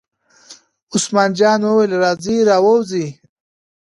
عثمان جان وویل: راځئ را ووځئ.